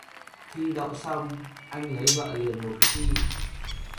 Thi đậu xong, anh lấy vợ liền một khi